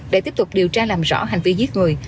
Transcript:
để tiếp tục điều tra làm rõ hành vi giết người